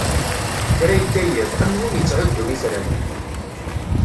Kra ikka yiḍ, am win ittɛuddun itran.